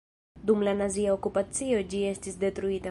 Dum la nazia okupacio ĝi estis detruita.